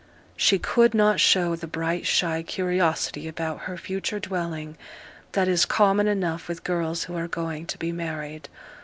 She could not show the bright shy curiosity about her future dwelling that is common enough with girls who are going to be married.